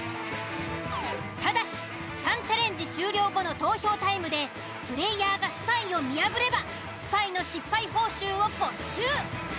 ただし３チャレンジ終了後の投票タイムでプレイヤーがスパイを見破ればスパイの失敗報酬を没収。